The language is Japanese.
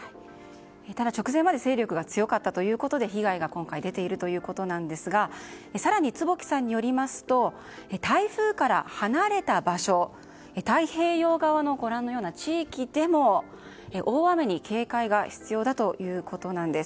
ただ直前まで勢力が強かったということで被害が今回、出ているんですが更に坪木さんによりますと台風から離れた場所太平洋側のご覧のような地域でも大雨に警戒が必要だということなんです。